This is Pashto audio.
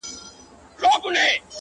پر خړه مځکه به یې سیوري نه وي-